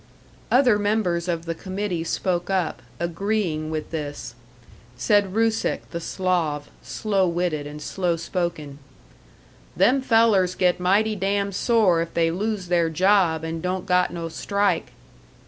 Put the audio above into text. Other members of the committee spoke up, agreeing with this. Said Rusick, the Slav, slow witted and slow spoken, "Them fellers get mighty damn sore if they lose their job and don't got no strike."